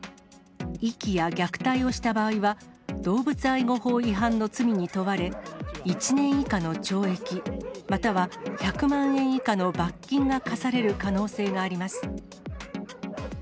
遺棄や虐待をした場合は、動物愛護法違反の罪に問われ、１年以下の懲役、または１００万円以下の罰金が科される可能性があります。